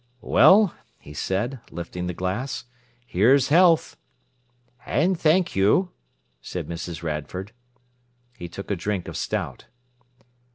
"Well," he said, lifting the glass, "here's health!" "And thank you," said Mrs. Radford. He took a drink of stout.